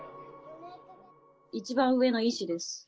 一番上の一志です。